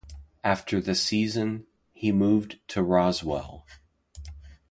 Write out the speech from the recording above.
After the season, he moved to Roswell.